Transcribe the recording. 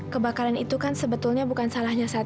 kebakaran itu kan sebetulnya bukan salahnya